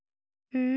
うん？